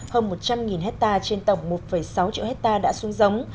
hơn một trăm linh hectare trên tổng một sáu triệu hectare đã xuống giống